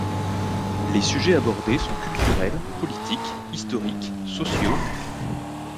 Les sujets abordés sont culturels, politiques, historiques, sociaux…